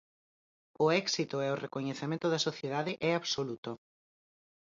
O éxito e o recoñecemento da sociedade é absoluto.